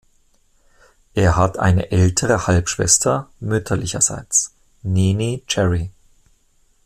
Er hat eine ältere Halbschwester mütterlicherseits, Neneh Cherry.